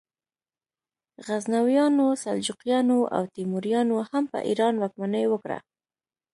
غزنویانو، سلجوقیانو او تیموریانو هم په ایران واکمني وکړه.